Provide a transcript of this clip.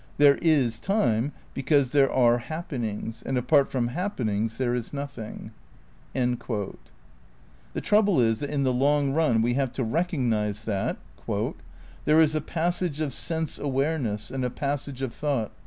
There is time because there are happenings and apart from happenings there is nothing." ' The trouble is that in the long run we have to recog nise that "there is a passage of sense awareness and a passage of thought.